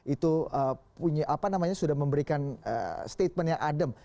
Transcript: itu punya apa namanya sudah memberikan statement yang adem